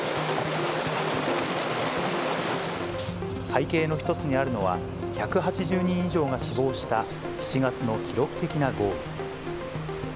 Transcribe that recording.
背景の一つにあるのは、１８０人以上が死亡した７月の記録的な豪雨。